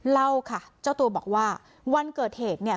เล่าค่ะเจ้าตัวบอกว่าวันเกิดเหตุเนี่ย